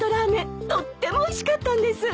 とってもおいしかったんです！